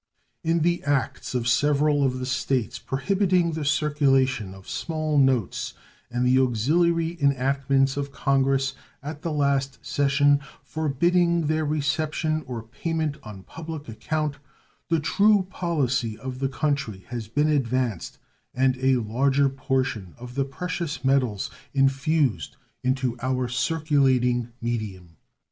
In the acts of several of the States prohibiting the circulation of small notes and the auxiliary enactments of Congress at the last session forbidding their reception or payment on public account, the true policy of the country has been advanced and a larger portion of the precious metals infused into our circulating medium.